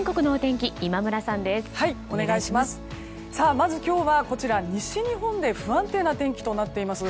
まず、今日は西日本で不安定な天気となっています。